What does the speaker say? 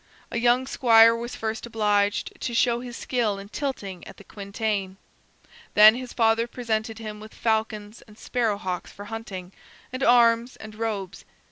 A young squire was first obliged to show his skill in tilting at the quintain. Then his father presented him with falcons and sparrowhawks for hunting, and arms and robes.